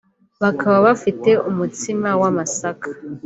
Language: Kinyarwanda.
bakaba bafite umutsima w’amasaka